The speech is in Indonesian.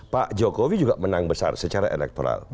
pak jokowi juga menang besar secara elektoral